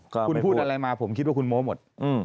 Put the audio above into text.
คุณพูดอะไรมาผมคิดว่าคุณโม้หมด